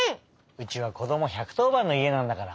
うちはこども１１０ばんのいえなんだから。